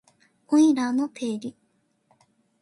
オイラーの定理